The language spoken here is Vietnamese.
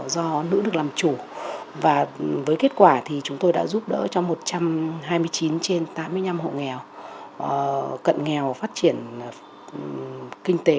do nữ được làm chủ và với kết quả thì chúng tôi đã giúp đỡ cho một trăm hai mươi chín trên tám mươi năm hộ nghèo cận nghèo phát triển kinh tế